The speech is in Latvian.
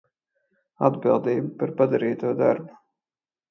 Atbildība par padarīto darbu